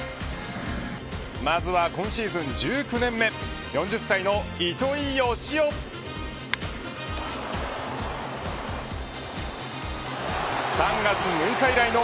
まずは今シーズン１９年目４０歳の糸井嘉男。